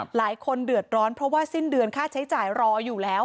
หลายคนเดือดร้อนเพราะว่าสิ้นเดือนค่าใช้จ่ายรออยู่แล้ว